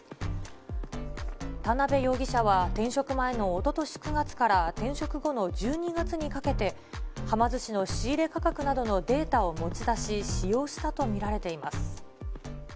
田辺容疑者は転職前のおととし９月から、転職後の１２月にかけて、はま寿司の仕入れ価格などのデータを持ち出し、使用したと見られています。